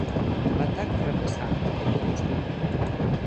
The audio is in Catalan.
L'atac fracassà, com de costum.